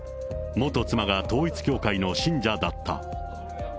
元妻が統一教会の信者だった。